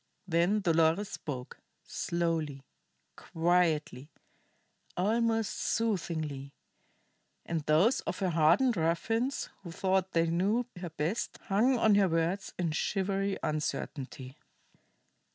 Then Dolores spoke, slowly, quietly, almost soothingly; and those of her hardened ruffians who thought they knew her best hung on her words in shivery uncertainty.